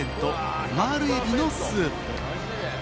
オマール海老のスープ！